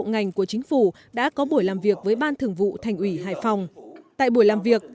ngành của chính phủ đã có buổi làm việc với ban thường vụ thành ủy hải phòng tại buổi làm việc